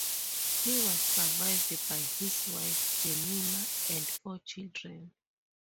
He was survived by his wife Jemima and four children.